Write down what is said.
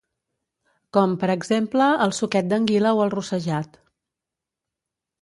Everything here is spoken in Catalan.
com per exemple el suquet d'anguila o el rossejat